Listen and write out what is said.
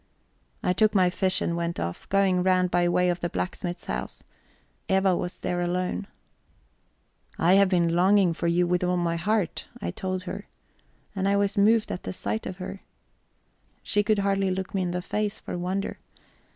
I took my fish and went off, going round by way of the blacksmith's house. Eva was there alone. "I have been longing for you with all my heart," I told her. And I was moved at the sight of her. She could hardly look me in the face for wonder.